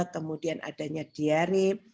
kemudian adanya diare